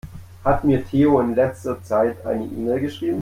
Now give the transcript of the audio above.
Hat mir Theo in letzter Zeit eine E-Mail geschrieben?